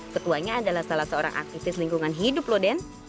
ketuanya adalah salah seorang aktivis lingkungan hidup loh den